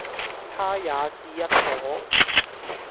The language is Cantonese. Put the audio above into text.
他也是一夥，